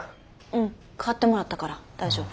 うん代わってもらったから大丈夫。